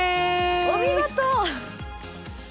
お見事！